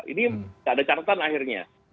ini tidak ada catatan akhirnya